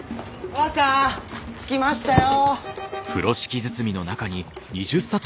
若着きましたよ！